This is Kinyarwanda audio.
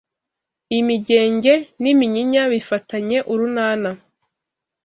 Iyi migenge n’iminyinya bifatanye urunana